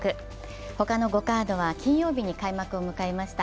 ほかの５カードは金曜日に開幕を迎えました。